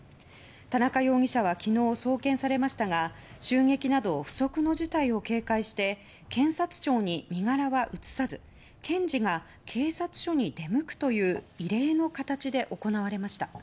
田中容疑者は昨日送検されましたが襲撃など不測の事態を警戒して検察庁に身柄は移さず検事が警察署に出向くという異例の形で行われました。